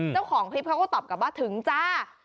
เจ้าของคลิปเขาก็ตอบกลับว่าถึงจ้า